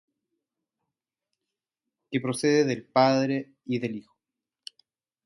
que procede del Padre y del Hijo,